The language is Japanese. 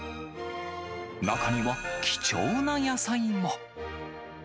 中には、貴重な野菜も。